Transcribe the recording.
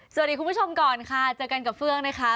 คุณผู้ชมก่อนค่ะเจอกันกับเฟื่องนะคะ